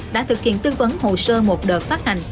đã thực hiện tư vấn hồ sơ một đợt phát hành